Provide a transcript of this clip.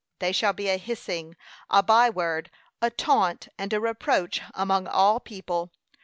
They shall be a hissing, a bye word, a taunt, and a reproach among all people.